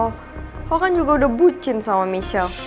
lo kan juga udah bucin sama michelle